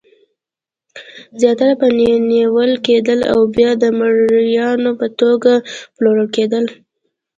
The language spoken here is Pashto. زیاتره به نیول کېدل او بیا د مریانو په توګه پلورل کېدل.